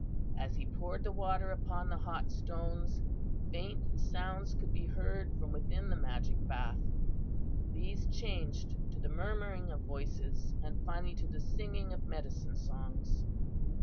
"As he poured the water upon the hot stones faint sounds could be heard from within the magic bath. These changed to the murmuring of voices, and finally to the singing of medicine songs.